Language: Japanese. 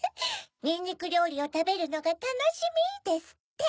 「にんにくりょうりをたべるのがたのしみ」ですって。